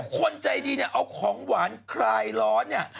คนใจดีเนี่ยเอาของหวานคลายร้อนเนี่ย